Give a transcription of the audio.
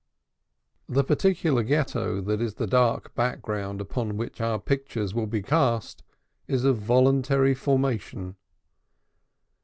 The particular Ghetto that is the dark background upon which our pictures will be cast, is of voluntary formation.